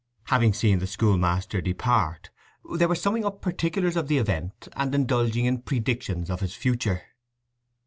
Having seen the school master depart, they were summing up particulars of the event, and indulging in predictions of his future.